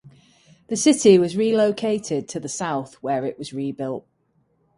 The city was relocated to the south, where it was rebuilt.